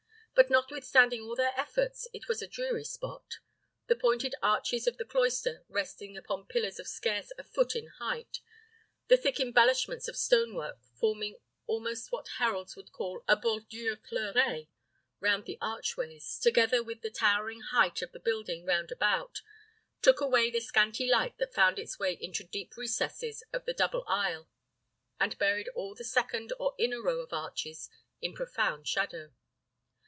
But, notwithstanding all their efforts, it was a dreary spot. The pointed arches of the cloister resting upon pillars of scarce a foot in height; the thick embellishments of stone work forming almost what heralds would call a bordure fleurée round the archways; together with the towering height of the buildings round about, took away the scanty light that found its way into deep recesses of the double aisle, and buried all the second or inner row of arches in profound shadow.